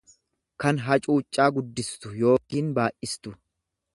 kan hacuuccaa guddistu yookiin baay'istu.